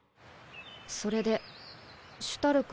それでシュタルク